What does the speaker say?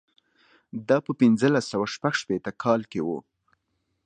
دا په پنځلس سوه شپږ شپېته کال کې و.